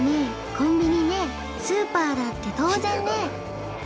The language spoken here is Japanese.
コンビニねえスーパーだって当然ねえ。